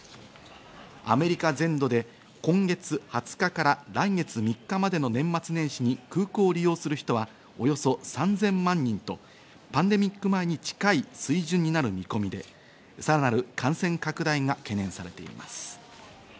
アメリカ全土で今月２０日から来月３日までの年末年始に空港を利用する人は、およそ３０００万人と、パンデミック前に近い水準になる見込みで、さらなる感染拡大が懸念されています。